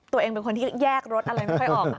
ตัวเองเป็นคนที่แยกรถอะไรไม่ค่อยออก